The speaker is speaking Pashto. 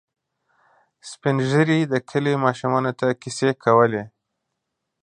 سپين ږیري د کلي ماشومانو ته کیسې کولې.